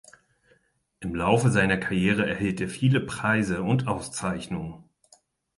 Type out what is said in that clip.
Im Laufe seiner Karriere erhielt er viele Preise und Auszeichnungen.